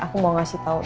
aku mau ngasih tau